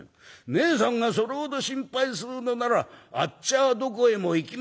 ねえさんがそれほど心配するのならあっちはどこへも行きませんよ』